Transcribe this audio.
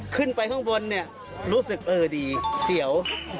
ขึ้นไปข้างบนเนี่ยรู้สึกเออดีเสียว